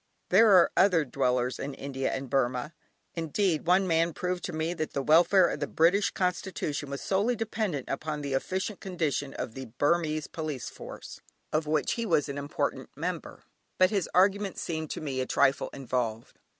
There are other dwellers in India and Burmah; indeed, one man proved to me that the welfare of the British Constitution was solely dependent upon the efficient condition of the Burmese police force, of which he was an important member, but his arguments seemed to me a trifle involved.